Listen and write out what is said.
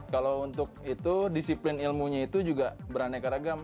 kalau untuk itu disiplin ilmunya itu juga beraneka ragam